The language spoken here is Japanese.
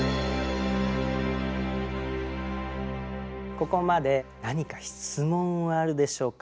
ここまで何か質問はあるでしょうか？